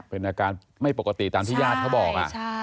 เป็นอาการไม่ปกติตามที่ญาติเขาบอก